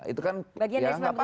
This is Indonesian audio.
itu kan ya enggak apa apa sih